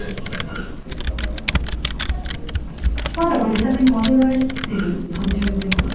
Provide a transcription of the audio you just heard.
まだご自宅に戻られてる途中ということ？